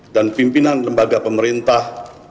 dan pimpinan lembaga pemerintah